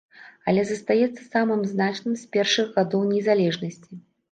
Але застаецца самым значным з першых гадоў незалежнасці.